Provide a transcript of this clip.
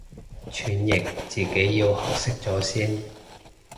傳譯自己要學識咗先